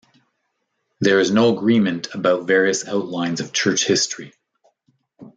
There is no agreement about various outlines of church history.